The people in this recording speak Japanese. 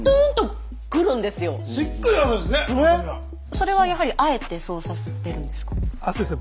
それはやはりあえてそうさせてるんですか？